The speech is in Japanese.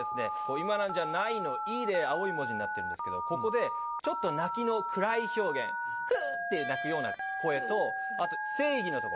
「今なんじゃない？」の「い？」で青い文字になってるんですけどここでちょっと泣きのＣＲＹ表現ふって泣くような声とあと「正義」のとこ